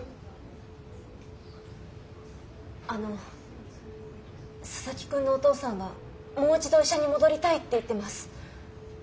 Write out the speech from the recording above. あの佐々木くんのお父さんはもう一度医者に戻りたいって言ってます。